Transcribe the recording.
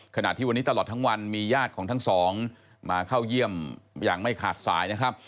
ขณะที่วันนี้ตลอดทั้งวันมีญาติของทั้งสองมาเข้าเยี่ยมอย่างไม่ขาดสายนะครับ